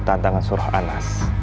tantangan surah anas